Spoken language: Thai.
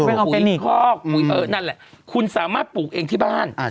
ไปออกไปอีกข้อปุ๋ยเออนั่นแหละคุณสามารถปลูกเองที่บ้าน